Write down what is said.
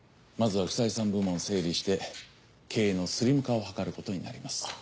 まずは不採算部門を整理して経営のスリム化を図ることになります。